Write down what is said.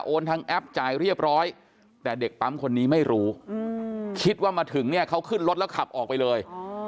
ทางแอปจ่ายเรียบร้อยแต่เด็กปั๊มคนนี้ไม่รู้คิดว่ามาถึงเนี่ยเขาขึ้นรถแล้วขับออกไปเลย